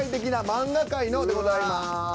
「漫画界の」でございます。